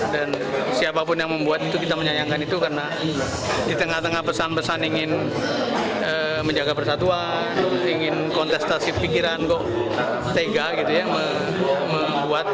siapapun yang membuat itu kita menyayangkan itu karena di tengah tengah pesan pesan ingin menjaga persatuan ingin kontestasi pikiran kok tega gitu ya